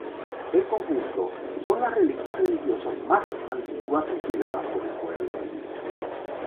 En conjunto, son las reliquias religiosas más antiguas y cuidadas por el pueblo.